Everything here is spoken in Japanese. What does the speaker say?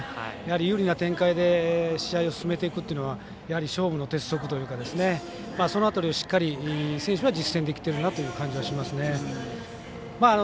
有利な展開で試合を進めていくというのは勝負の鉄則というかその辺りを、しっかり選手は実践できているなという感じはしますね。